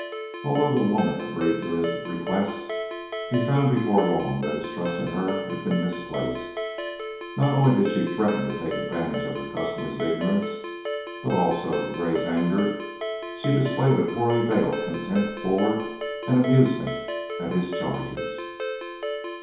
Although the woman agreed to his request, he found before long that his trust in her had been misplaced. Not only did she threaten to take advantage of her customers' ignorance, but also, to Gray's anger, she displayed a poorly veiled contempt for and amusement at his charges.